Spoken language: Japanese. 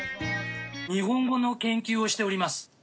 日本語の研究をしております。